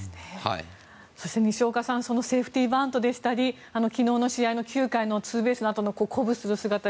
そして西岡さんセーフティーバントでしたり昨日の試合の９回のツーベースのあとの鼓舞する姿。